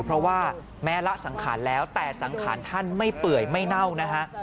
เพราะว่าแม้ละสังขารแล้วแต่สังขารท่านไม่เปื่อยไม่เน่านะฮะ